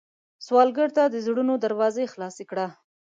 سوالګر ته د زړونو دروازې خلاصې کړه